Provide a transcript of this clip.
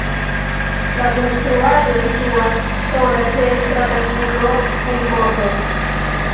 La konstruaĵo situas sola ĉe stratangulo en korto.